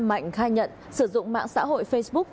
mạnh khai nhận sử dụng mạng xã hội facebook